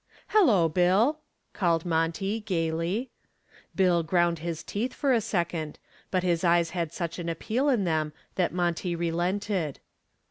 "Hello, Bill," called Monty, gaily. Bill ground his teeth for a second, but his eyes had such an appeal in them that Monty relented.